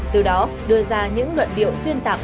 từ đó đưa ra những luận điệu xuyên tạp